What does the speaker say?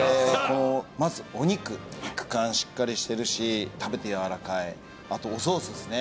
このまずお肉肉感しっかりしてるし食べてやわらかいあとおソースですね